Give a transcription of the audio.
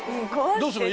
どうするの？